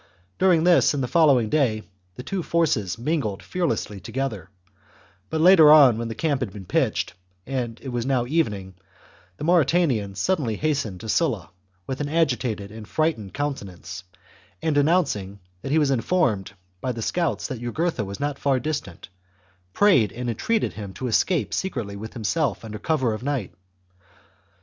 Durmg this and the following day the two forces mingled fearlessly together, but later on, when the camp had been pitched, and it was now evening, the Mauritanian suddenly hastened to Sulla with an agitated and frightened countenance, and, announcing that he was informed by the scouts that Jugurtha was not far distant, prayed and entreated him to escape secretly with himself under cover of night.